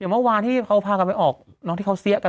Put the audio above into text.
อย่างเมื่อวานที่เขาพากันไปออกน้องที่เขาเสียกัน